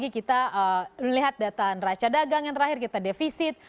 kita lihat data raca dagang yang terakhir kita defisit